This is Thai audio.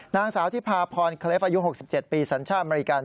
นางสาวที่พาพรเคลฟอายุ๖๗ปีสัญชาติอเมริกัน